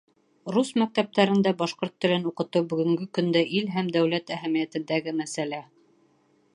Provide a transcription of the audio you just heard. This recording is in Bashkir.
Рус мәктәптәрендә башҡорт телен уҡытыу бөгөнгө көндә ил һәм дәүләт әһәмиәтендәге мәсьәлә.